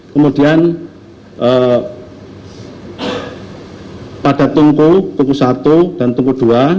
kemudian pada tungku tungku satu dan tungku dua